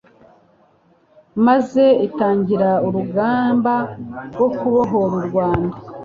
maze itangira urugamba rwo kubohora u Rwanda